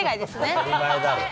当たり前だろ。